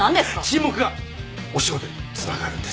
沈黙がお仕事につながるんです。